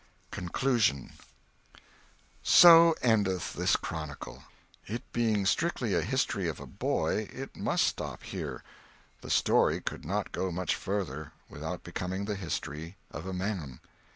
CONCLUSION SO endeth this chronicle. It being strictly a history of a boy, it must stop here; the story could not go much further without becoming the history of a man.